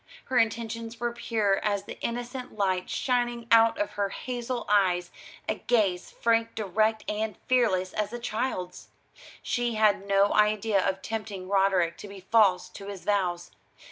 Her intentions were pure as the innocent light shining out of her hazel eyes a gaze frank, direct, and fearless as a child's. She had no idea of tempting Roderick to be false to his vows.